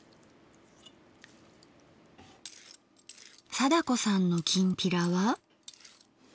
貞子さんのきんぴらは？